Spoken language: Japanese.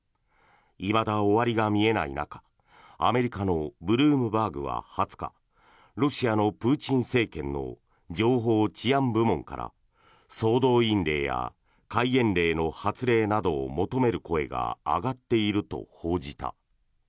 いまだ終わりが見えない中アメリカのブルームバーグは２０日ロシアのプーチン政権の情報・治安部門から総動員令や戒厳令の発令などを求める声が上がっていると報じた。